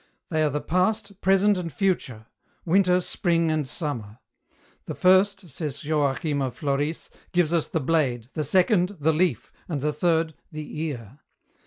They are the past, present and future; winter, spring and summer. The first, says Joachim of Floris, gives us the blade, the second, the leaf, and the third, the ear.